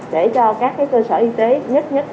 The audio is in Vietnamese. để cho các cơ sở y tế nhất nhất